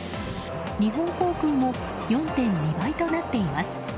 日本航空も４．２倍となっています。